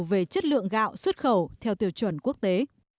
về chất lượng gạo xuất khẩu theo tiêu chuẩn quốc tế